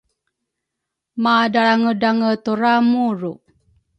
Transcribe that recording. Madralrangedrange turamuru